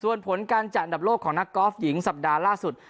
ส่วนผลการจัดอันดับโลกของนักกอล์ฟหญิงสัปดาห์ล่าสุด